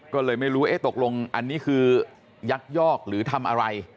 ก็เลยไม่รู้ตกลงอันนี้คือยักยอกหรือทำอะไร